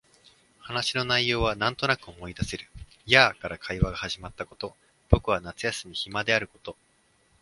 話の内容はなんとなく思い出せる。やあ、から会話が始まったこと、僕は夏休み暇であること、